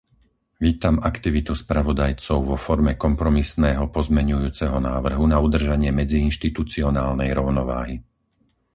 Vítam aktivitu spravodajcov vo forme kompromisného pozmeňujúceho návrhu na udržanie medziinštitucionálnej rovnováhy.